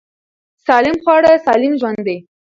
سالم خواړه سالم ژوند دی.